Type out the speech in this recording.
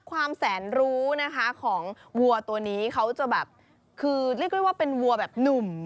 ความแสนรู้นะคะของวัวตัวนี้เขาจะแบบคือเรียกได้ว่าเป็นวัวแบบหนุ่ม